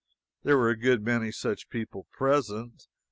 There were a good many such people present.